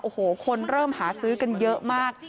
โอ้โหคนเริ่มหาซื้อกันเยอะมาก